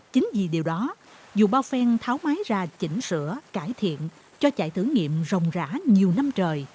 chính vì điều đó dù bao phen tháo máy ra chỉnh sửa cải thiện cho chạy thử nghiệm rồng rã nhiều năm trời